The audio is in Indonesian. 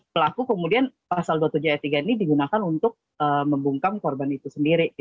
pelaku kemudian pasal dua puluh tujuh ayat tiga ini digunakan untuk membungkam korban itu sendiri